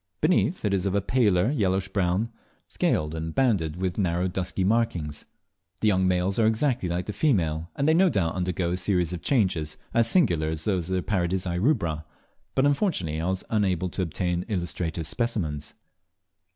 Beneath, it is of a paler yellowish brown, scaled and banded with narrow dusky markings. The young males are exactly like the female, and they no doubt undergo a series of changes as singular as those of Paradisea rubra; but, unfortunately, I was unable to obtain illustrative specimens.